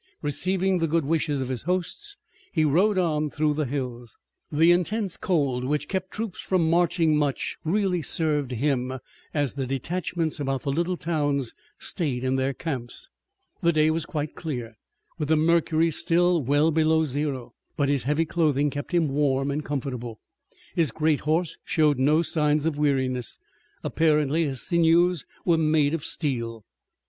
Receiving the good wishes of his hosts he rode on through the hills. The intense cold which kept troops from marching much really served him, as the detachments about the little towns stayed in their camps. The day was quite clear, with the mercury still well below zero, but his heavy clothing kept him warm and comfortable. His great horse showed no signs of weariness. Apparently his sinews were made of steel.